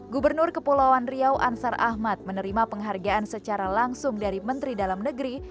gubernur kepulauan riau ansar ahmad menerima penghargaan secara langsung dari menteri dalam negeri